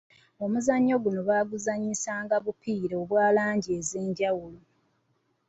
Omuzannyo guno baaguzannyisanga bupiira obwa langi ez'enjawulo.